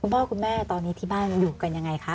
พ่อคุณแม่ตอนนี้ที่บ้านอยู่กันยังไงคะ